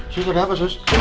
sus ada apa sus